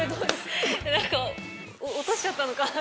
何か。